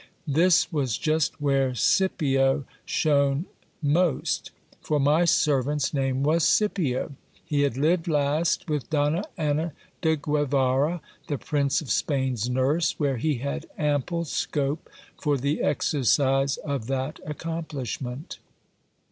This was just where Scipio shone most ; for my servant's name was Scipio. He had lived last with Donna Anna de Guevara, the Prince of Spam's nurse, where he had ample scope for the exercise of that accomplishment.